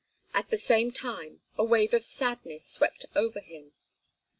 At the same time a wave of sadness swept over him.